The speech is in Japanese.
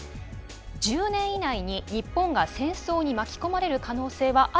１０年以内に日本が戦争に巻き込まれる可能性はあると思うかという質問。